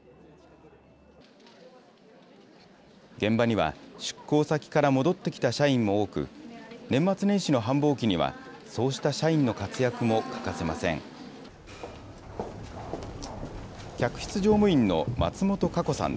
現場には、出向先から戻ってきた社員も多く、年末年始の繁忙期には、そうした社員の活躍も欠かせません。